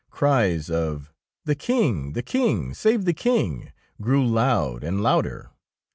Cries of The King, the King, save the King," grew loud and louder.